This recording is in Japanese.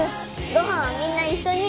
ごはんはみんな一緒に！